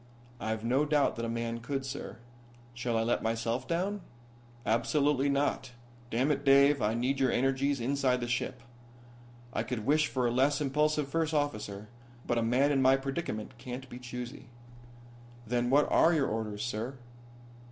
"I've no doubt that a man could, sir. Shall I let myself down?" "Absolutely not. Damn it, Dave, I need your energies inside the ship. I could wish for a less impulsive first officer, but a man in my predicament can't be choosy." "Then what are your orders, sir?"